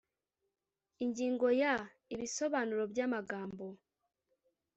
ingingo ya…: ibisobanuro by amagambo